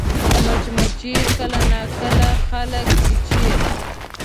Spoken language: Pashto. مچمچۍ کله ناکله خلک چیچي